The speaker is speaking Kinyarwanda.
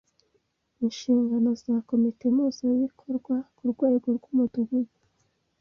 Inshingano za Komite Mpuzabikorwa ku rwego rw’Umudugudu